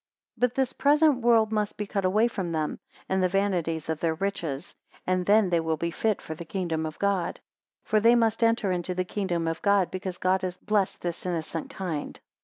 261 But this present world must be cut away from them, and the vanities of their riches; and then they will be fit for the kingdom of God. For they must enter into the kingdom of God, because God has blessed this innocent kind.